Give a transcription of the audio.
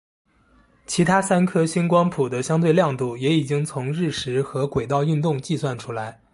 其他三颗星光谱的相对亮度也已经从日食和轨道运动计算出来。